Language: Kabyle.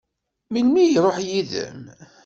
Melmi i iṛuḥ yid-m?